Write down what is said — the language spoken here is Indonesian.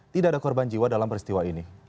tidak ada korban jiwa dalam peristiwa ini